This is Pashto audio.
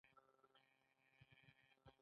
د پوزې وینې لپاره سر په څه شي ووینځم؟